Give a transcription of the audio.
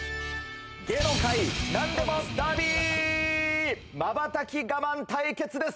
芸能界なんでもダービー、瞬き我慢対決です！